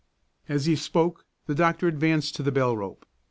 As he spoke, the doctor advanced to the bell rope.